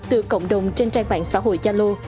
từ cộng đồng trên trang mạng xã hội gia lô